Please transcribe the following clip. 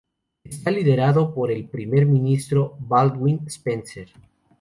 Está liderado por el Primer Ministro Baldwin Spencer.